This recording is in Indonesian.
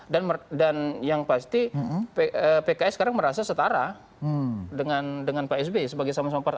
dan yang pasti pks sekarang merasa setara dengan pak sby sebagai sama sama part